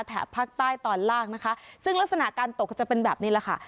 ภาคใต้ตอนล่างนะคะซึ่งลักษณะการตกก็จะเป็นแบบนี้แหละค่ะ